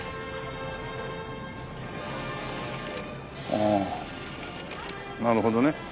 ああなるほどね。